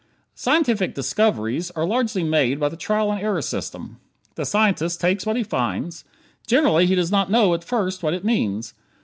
Scientific "discoveries" are largely made by the trial and error system. The scientist takes what he finds. Generally he does not know, at first, what it means.